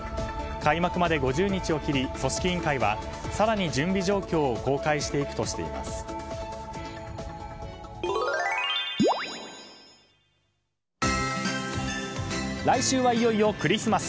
開幕まで５０日を切り組織委員会は更に準備状況を公開していくとしています。